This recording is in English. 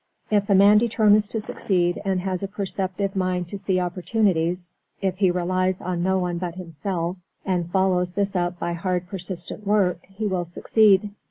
If a man determines to succeed and has a perceptive mind to see opportunities, if he relies on no one but himself, and follows this up by hard, persistent work, he will succeed.